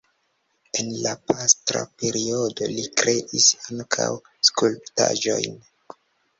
En la pastra periodo li kreis ankaŭ skulptaĵojn.